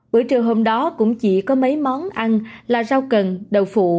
bữa trưa hôm đó cũng chỉ có mấy món ăn là rau cần đầu phụ